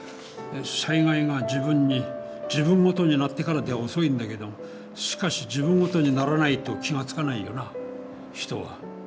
災害が自分ごとになってからでは遅いんだけどしかし自分ごとにならないと気が付かないよな人は。